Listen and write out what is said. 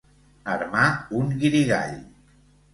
Armar un guirigall.